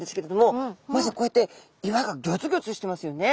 まずこうやって岩がギョつギョつしてますよね。